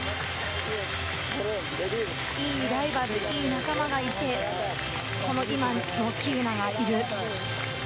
いいライバルいい仲間がいて今の喜友名がいる。